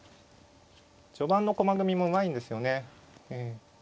序盤の駒組みもうまいんですよね。